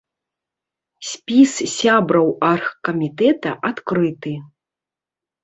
Спіс сябраў аргкамітэта адкрыты.